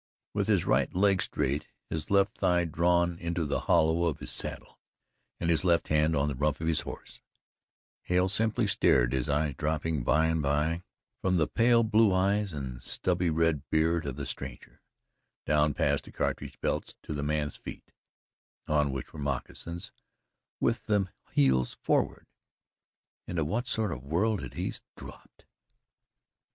With his right leg straight, his left thigh drawn into the hollow of his saddle and his left hand on the rump of his horse, Hale simply stared, his eyes dropping by and by from the pale blue eyes and stubbly red beard of the stranger, down past the cartridge belts to the man's feet, on which were moccasins with the heels forward! Into what sort of a world had he dropped!